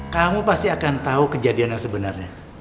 kamu pasti akan tahu kejadian yang sebenarnya